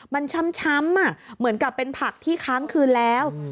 มันช้ำเหมือนกับเป็นผักที่ค้างคืนแล้ว